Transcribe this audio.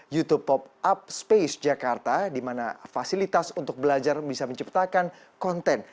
youtube pop up space jakarta di mana fasilitas untuk belajar bisa menciptakan konten